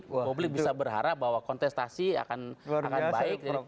mbak blik bisa berharap bahwa kontestasi akan baik